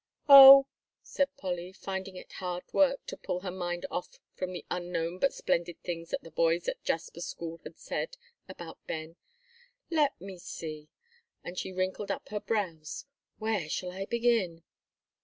"Oh," said Polly, finding it hard work to pull her mind off from the unknown but splendid things that the boys at Jasper's school had said about Ben, "let me see," and she wrinkled up her brows, "where shall I begin?"